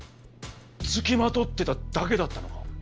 つきまとってただけだったのか？